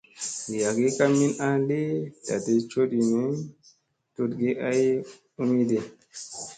Li agi ka min a li tlaɗi coɗii ni, tuɗgi ay umiɗi.